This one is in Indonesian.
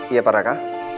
iya pak raka